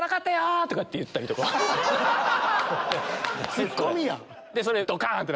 ツッコミやん！